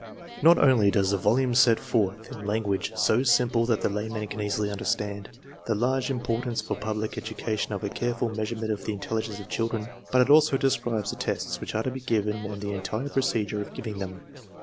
Not only does the volume set forth, in language so simple that the layman can easily under stand, the large importance for public education of a careful measurement of the intelligence of children, but it also describes the tests which are to be given and the entire pro cedure of giving them.